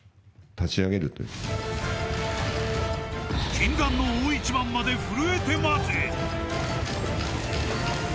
［禁断の大一番まで震えて待て！］